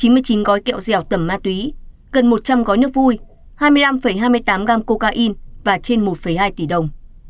chín mươi chín gói kẹo dẻo tẩm ma túy gần một trăm linh gói nước vui hai mươi năm hai mươi tám gram cocaine và trên một hai tỷ đồng